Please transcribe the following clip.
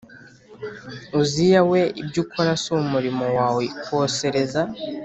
Uziya we ibyo ukora si umurimo wawe kosereza